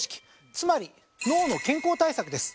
つまり脳の健康対策です。